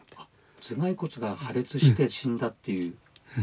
頭蓋骨が破裂して死んだっていう。